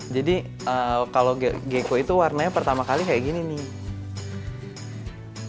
jadi kalau gecko itu warnanya pertama kali kayak gini nih